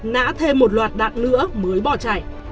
nã thêm một loạt đạn nữa mới bỏ chạy